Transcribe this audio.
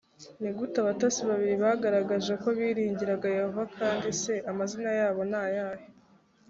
ni gute abatasi babiri bagaragaje ko biringiraga yehova kandi se amazina yabo ni ayahe